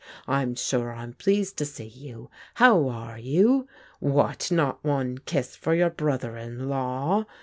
I'm sure I'm pleased to see you. How are you? What, not one kiss for your brother in law